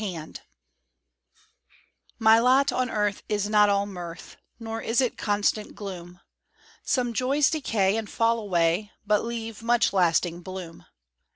MY LOT My lot on earth is not all mirth, Nor is it constant gloom; Some joys decay and fall away, But leave much lasting bloom.